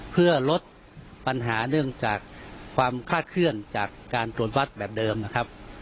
เพื่อลดปัญหาเนื่องจากความคาดเคลื่อนจากการตรวจวัดแบบเดิมนะครับ